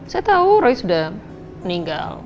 saya tahu roy sudah meninggal